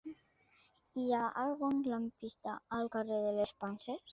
Hi ha algun lampista al carrer de les Panses?